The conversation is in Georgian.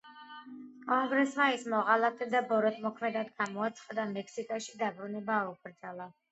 კონგრესმა ის მოღალატედ და ბოროტმოქმედად გამოაცხადა და მექსიკაში დაბრუნება აუკრძალა.